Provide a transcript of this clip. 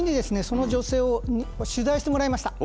その女性を取材してもらいました。